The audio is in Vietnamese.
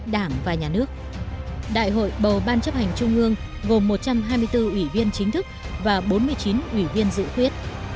đại hội bầu ban chấp hành trung ương gồm một trăm hai mươi bốn ủy viên chính thức và bốn mươi chín ủy viên dự quyết